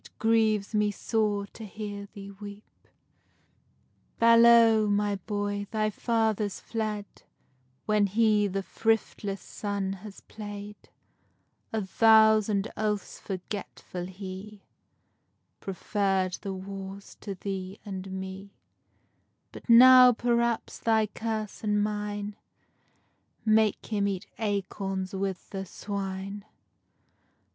_ Balow, my boy, thy father's fled, When he the thriftless son has played; Of vows and oaths forgetful, he Preferr'd the wars to thee and me. But now, perhaps, thy curse and mine Make him eat acorns with the swine.